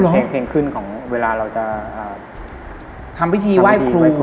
เพลงขึ้นของเวลาเราจะทำพิธีไหว้ครู